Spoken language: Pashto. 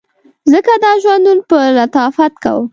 ځکه دا ژوندون په لطافت کوم